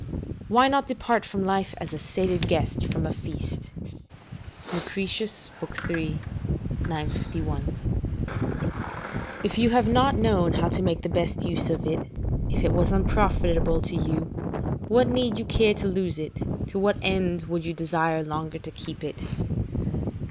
["Why not depart from life as a sated guest from a feast? "Lucretius, iii. 951.] "If you have not known how to make the best use of it, if it was unprofitable to you, what need you care to lose it, to what end would you desire longer to keep it?